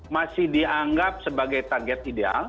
masih dianggap sebagai target ideal